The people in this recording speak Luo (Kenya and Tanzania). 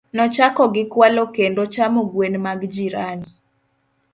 Nochako gi kwalo kendo chamo gwen mag jirani.